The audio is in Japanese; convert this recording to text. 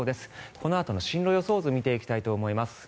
このあとの進路予想図を見ていきたいと思います。